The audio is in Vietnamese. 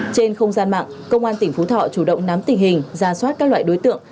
trên không gian mạng công an tỉnh phú thọ chủ động nắm tình hình ra soát các loại đối tượng